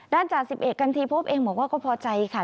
จ่าสิบเอกกันทีพบเองบอกว่าก็พอใจค่ะ